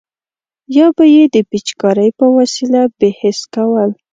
یا به یې د پیچکارۍ په وسیله بې حس کول.